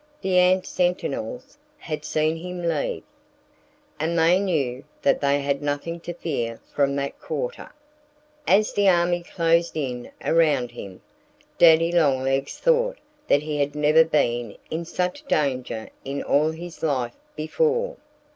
The ant sentinels had seen him leave. And they knew that they had nothing to fear from that quarter. As the army closed in around him, Daddy Longlegs thought that he had never been in such danger in all his life before.